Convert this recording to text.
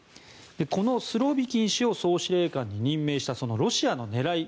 このスロビキン氏を総司令官に任命したロシアの狙い。